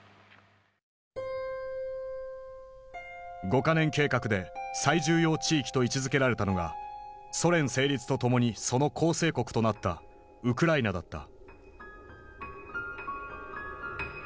五か年計画で最重要地域と位置づけられたのがソ連成立とともにその構成国となったウクライナだった。